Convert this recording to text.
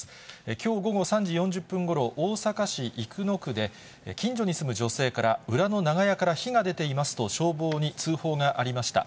きょう午後３時４０分ごろ、大阪市生野区で、近所に住む女性から裏の長屋から火が出ていますと、消防に通報がありました。